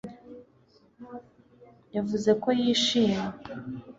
Yavuze ko yishimye